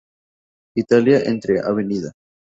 Italia entre Av.